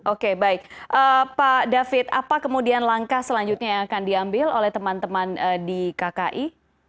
oke baik pak david apa kemudian langkah selanjutnya yang akan diambil oleh teman teman di kki